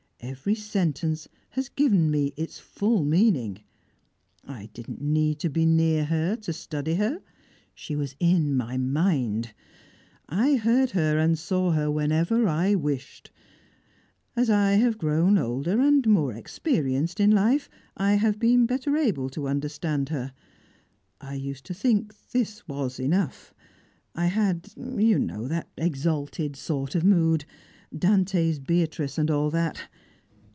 Every sentence has given me its full meaning. I didn't need to be near her to study her. She was in my mind; I heard her and saw her whenever I wished; as I have grown older and more experienced in life, I have been better able to understand her. I used to think this was enough. I had you know that exalted sort of mood; Dante's Beatrice, and all that!